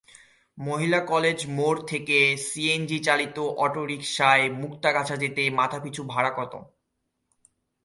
মহিলা কলেজ মোড় থেকে সিএনজিচালিত অটোরিকশায় মুক্তাগাছা যেতে মাথাপিছু ভাড়া কত?